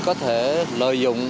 có thể lợi dụng